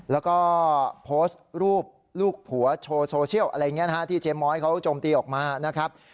แล้วก็โพสต์รูปลูกผัวโชว์โซเชียลอะไรอย่างนี้นะฮะที่เจ๊ม้อยเขาโจมตีออกมานะครับ